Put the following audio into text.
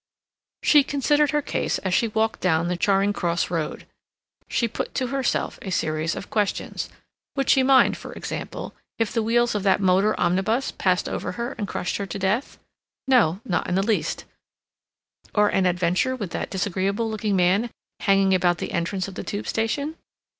She considered her case as she walked down the Charing Cross Road. She put to herself a series of questions. Would she mind, for example, if the wheels of that motor omnibus passed over her and crushed her to death? No, not in the least; or an adventure with that disagreeable looking man hanging about the entrance of the Tube station?